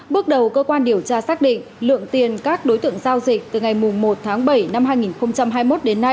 bước đầu cơ quan điều tra xác định lượng tiền các đối tượng giao dịch từ ngày một tháng bảy năm hai nghìn hai mươi một đến nay